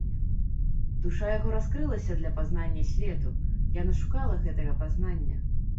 Душа яго раскрылася для пазнання свету, яна шукала гэтага пазнання.